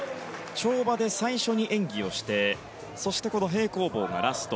跳馬で最初に演技をしてそして平行棒がラスト。